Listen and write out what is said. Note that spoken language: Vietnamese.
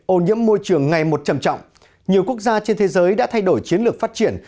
ô nhiễm môi trường ngày một trầm trọng nhiều quốc gia trên thế giới đã thay đổi chiến lược phát triển